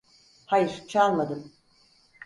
Hayır, çalmadım.